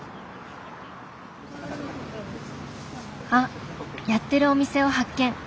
あっやってるお店を発見。